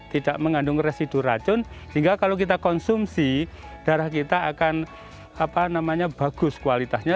tidak mengandung residu racun sehingga kalau kita konsumsi darah kita akan bagus kualitasnya